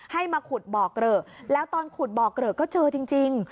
ให้มาขุดเบาะเกลือแล้วตอนขุดเบาะเกลือก็เจอจริง